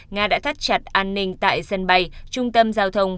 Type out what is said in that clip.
nga đã thắt chặt an ninh tại sân bay trung tâm giao thông